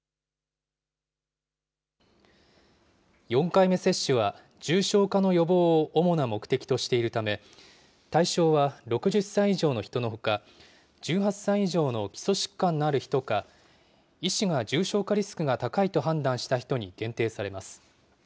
４回目接種は、重症化の予防を主な目的としているため、対象は６０歳以上の人のほか、１８歳以上の基礎疾患のある人か、医師が重症がリスクが高いと判断した人に限定されます。